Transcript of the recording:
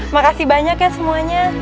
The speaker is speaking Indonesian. makasih banyak ya semuanya